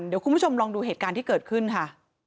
เดี๋ยวคุณผู้ชมลองดูเหตุการณ์ที่เกิดขึ้นค่ะ